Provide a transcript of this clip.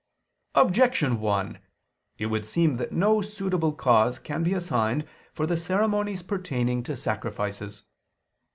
Objection 1: It would seem that no suitable cause can be assigned for the ceremonies pertaining to sacrifices.